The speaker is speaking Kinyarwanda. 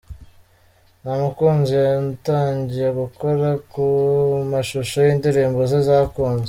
Ntamukunzi yatangiye gukora ku mashusho y’indirimbo ze zakunzwe.